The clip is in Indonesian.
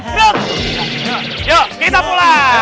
tapi selamatkan ya